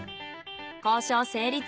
交渉成立。